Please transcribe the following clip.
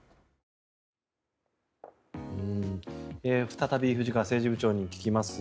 再び藤川政治部長に聞きます。